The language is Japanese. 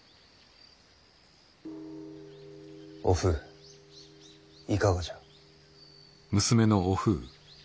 おふういかがじゃ？